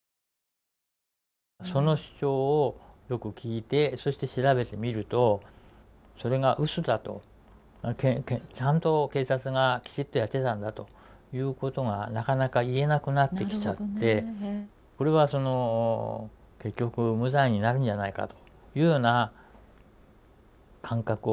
その主張をよく聞いてそして調べてみるとそれがうそだとちゃんと警察がきちっとやってたんだということがなかなか言えなくなってきちゃってこれは結局無罪になるんじゃないかというような感覚を持ちましてね